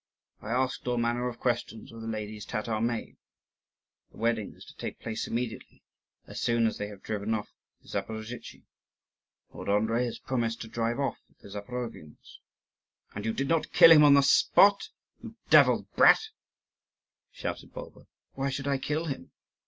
I asked all manner of questions of the lady's Tatar maid; the wedding is to take place immediately, as soon as they have driven off the Zaporozhtzi. Lord Andrii has promised to drive off the Zaporovians." "And you did not kill him on the spot, you devil's brat?" shouted Bulba. "Why should I kill him?